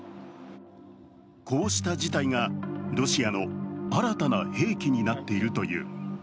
こうした事態がロシアの新たな兵器になっているという。